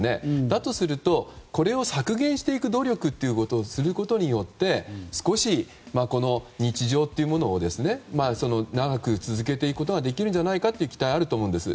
だとすると、これを削減していく努力をすることによって少し、日常というものを長く続けていくことができるんじゃないかという期待があると思うんです。